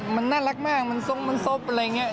มันน่ารักมากมันทรงมันซบอะไรอย่างนี้